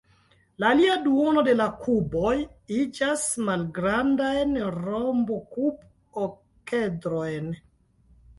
La alia duono de la kuboj iĝas malgrandajn rombokub-okedrojn.